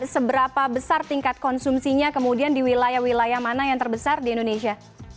seberapa besar tingkat konsumsinya kemudian di wilayah wilayah mana yang terbesar di indonesia